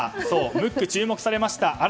そう、ムック注目されました。